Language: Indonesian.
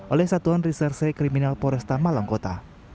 oleh satuan reserse kriminal poresta malang kota